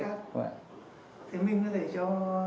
thế mình có thể cho